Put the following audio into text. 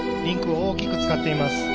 リンクを大きく使っています。